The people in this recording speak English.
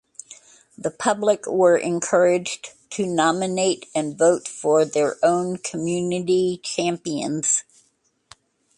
The public were encouraged to nominate and vote for their own community champions.